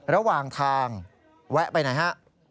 ระหว่างทางแวะไปไหนฮะ